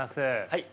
はい。